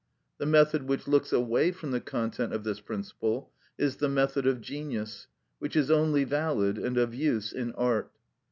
The method which looks away from the content of this principle is the method of genius, which is only valid and of use in art.